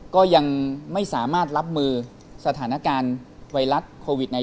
ก็ยังไม่สามารถรับมือสถานการณ์ไวรัสโควิด๑๙